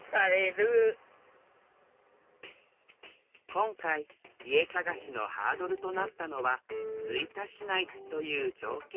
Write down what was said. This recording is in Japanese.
今回家探しのハードルとなったのは「吹田市内」という条件。